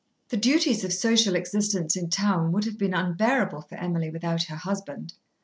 The duties of social existence in town would have been unbearable for Emily without her husband.